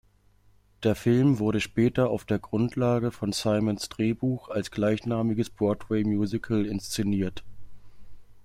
Der Film wurde später auf der Grundlage von Simons Drehbuch als gleichnamiges Broadway-Musical inszeniert.